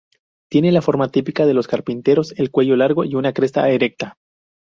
Tiene la forma típica de los carpinteros, el cuello largo y una cresta erecta.